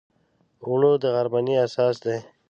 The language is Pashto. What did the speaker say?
اوړه د غرمنۍ اساس دی